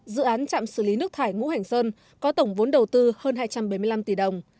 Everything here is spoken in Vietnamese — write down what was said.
dự án trạm xử lý nước thải ngũ hành sơn có tổng vốn đầu tư hơn hai trăm bảy mươi năm tỷ đồng